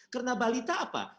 karena balita apa